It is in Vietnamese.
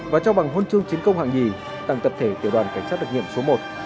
và cho bằng hôn trương chiến công hạng nhì tặng tập thể tiểu đoàn cảnh sát đặc nhiệm số một